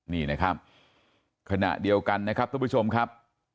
นี่นะครับขณะเดียวกันนะครับทุกผู้ชมครับ